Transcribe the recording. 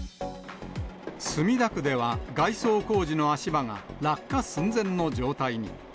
墨田区では、外装工事の足場が落下寸前の状態に。